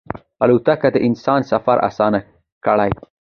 الوتکه د انسان سفر اسانه کړی.